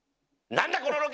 「なんだこのロケ！」